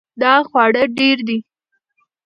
دا خواړه ډیر دي